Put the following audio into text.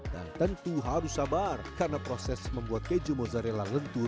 dan tentu harus sabar karena proses membuat keju mozzarella lentur